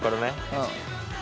うん。